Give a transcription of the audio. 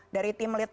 dari tim lidl